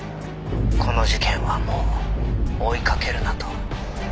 「“この事件はもう追いかけるな”と」